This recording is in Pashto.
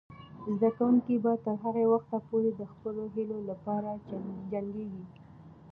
زده کوونکې به تر هغه وخته پورې د خپلو هیلو لپاره جنګیږي.